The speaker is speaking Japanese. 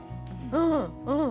うんうん。